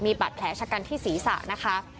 บาดแผลชะกันที่ศีรษะนะคะ